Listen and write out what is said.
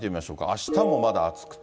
あしたもまだ暑くて。